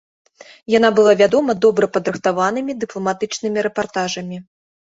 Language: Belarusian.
Яна была вядома добра падрыхтаванымі дыпламатычнымі рэпартажамі.